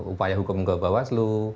upaya hukum kebawas